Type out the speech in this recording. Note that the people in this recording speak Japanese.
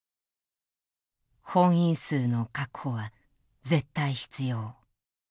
「本員数の確保は絶対必要」。